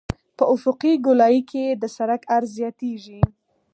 په افقي ګولایي کې د سرک عرض زیاتیږي